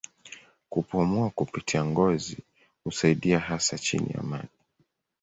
Kupumua kupitia ngozi husaidia hasa chini ya maji.